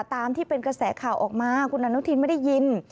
ตามที่เป็นกระแสข่าวออกมาคุณอนุทินไม่ได้ยิน